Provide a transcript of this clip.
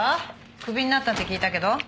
クビになったって聞いたけど。